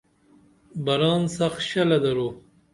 بران سخ شلہ درو